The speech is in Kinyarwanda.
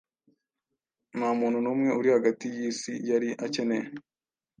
Ntamuntu numwe uri hagati yisi yari akeneye